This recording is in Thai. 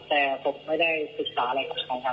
แต่ผมไม่ได้ศึกษาอะไรกับการกระทำ